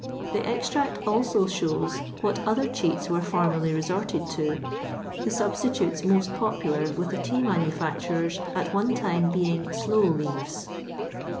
The extract also shows what other cheats were formerly resorted to — the substitutes most popular with the tea manufacturers at one time being sloe leaves.